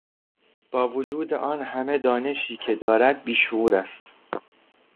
با وجود آن همه دانشی که دارد بیشعور است.